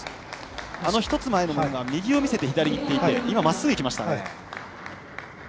１つ前の技が右を見せてからいっていて今、まっすぐいきました。